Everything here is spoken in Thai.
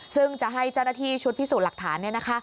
ซึ่งจะให้เจ้าหน้าที่ชุดพิสูจน์หลักฐาน